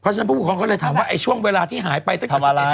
เพราะฉะนั้นผู้ปกครองก็เลยถามว่าไอ้ช่วงเวลาที่หายไปตั้งแต่๑๑โมงทำอะไร